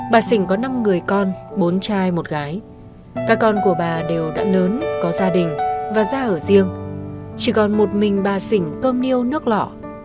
bà sỉnh có năm người con bốn trai một gái các con của bà đều đã lớn có gia đình và ra ở riêng chỉ còn một mình bà xỉnh cơm niêu nước lỏ